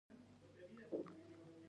هغوی د یو ملیون پوځ په روزلو بوخت دي.